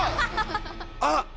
あっ！